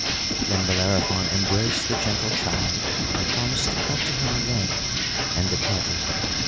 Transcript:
Then Bellerophon embraced the gentle child, and promised to come to him again, and departed.